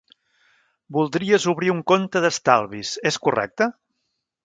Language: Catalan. Voldries obrir un compte d'estalvis, és correcte?